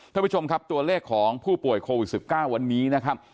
ท่านผู้ชมครับตัวเลขของผู้ป่วยโควิด๑๙วันนี้นะครับ